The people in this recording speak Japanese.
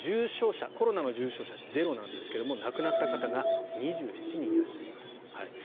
コロナの重症者ゼロなんですが亡くなった方が２７人いらっしゃいます。